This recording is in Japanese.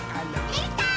できたー！